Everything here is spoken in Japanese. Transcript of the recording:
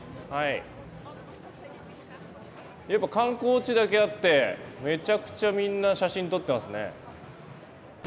やっぱ観光地だけあってめちゃくちゃみんな写真撮ってますね。